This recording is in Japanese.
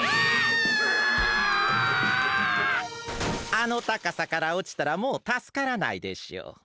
あのたかさからおちたらもうたすからないでしょう。